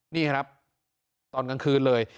นี่ครับตอนกลางคืนเลย